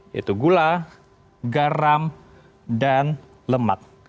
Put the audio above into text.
yaitu gula garam dan lemak